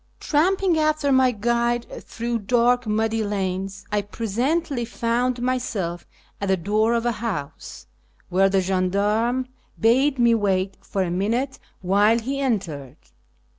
Tramping after my guide through dark muddy lanes, I presently found myself at the door of a house, where the gendarme bade me wait for a minute while he entered.